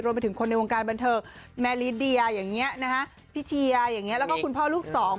รวมไปถึงคนในวงการบันเทิงแม่ลิดเดียพี่เชียแล้วก็คุณพ่อลูกสอง